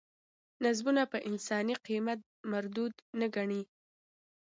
نظامونه په انساني قیمت مردود نه ګڼي.